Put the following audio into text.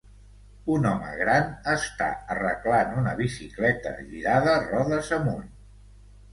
Un home gran està arreglant una bicicleta girada rodes amunt.